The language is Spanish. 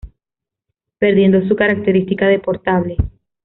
Perdiendo su característica de "portable".